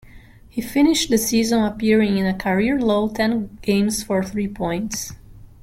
He finished the season appearing in a career-low ten games for three points.